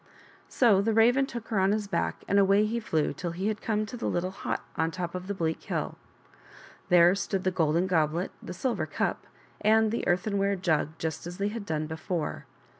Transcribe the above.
So the Raven took her on his back and away he flew till he had come to the little hut on top of the bleak hill. There stood the golden goblet, the silver cup, and the earthenware jug just as they had done before.